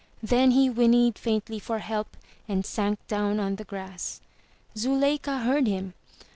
Then he whinnied faintly for help and sank down on the grass. Zuleika heard him.